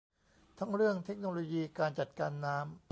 ทั้งเรื่องเทคโนโลยีการจัดการน้ำ